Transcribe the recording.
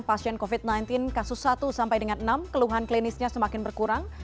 pasien covid sembilan belas kasus satu sampai dengan enam keluhan klinisnya semakin berkurang